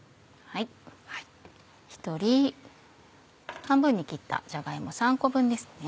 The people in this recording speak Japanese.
１人半分に切ったじゃが芋３個分ですね。